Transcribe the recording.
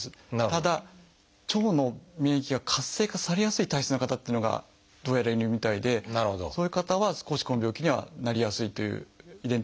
ただ腸の免疫が活性化されやすい体質な方っていうのがどうやらいるみたいでそういう方は少しこの病気にはなりやすいという遺伝的背景はあります。